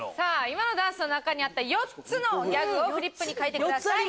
今のダンスにあった４つのギャグフリップに書いてください。